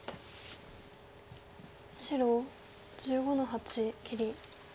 白１５の八切り。